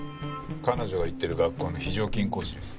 彼女が行っている学校の非常勤講師です。